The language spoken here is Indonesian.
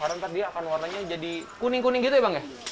karena nanti dia akan warnanya jadi kuning kuning gitu ya bang ya